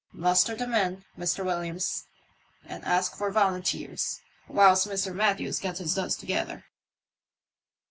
Muster the men, Mr. Williams, and ask for volunteers, whilst Mr. Matthews gets his duds together."